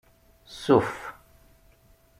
Suff.